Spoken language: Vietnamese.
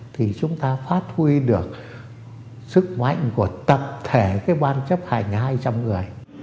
thì chúng ta phát huy được sức mạnh của tập thể cái ban chấp hành hai trăm linh người